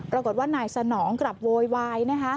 ปรากฏว่านายสนองกลับโวยวายนะคะ